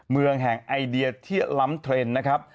เมืองแห่งไอเดียที่ล้ำเทรนด์นะครับ